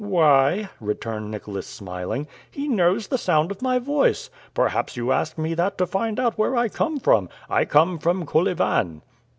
"Why!" returned Nicholas, smiling, "he knows the sound of my voice! Perhaps you ask me that to find out where I come from. I come from Kolyvan."